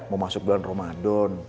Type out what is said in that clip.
mau masuk bulan ramadan